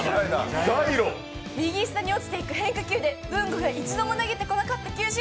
右下に落ちていく変化球で文吾が一度も投げてこなかった球種。